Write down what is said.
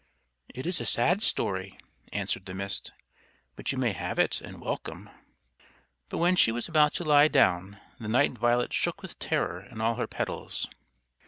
"It is a sad story," answered the Mist. "But you may have it and welcome." But when she was about to lie down the Night Violet shook with terror in all her petals.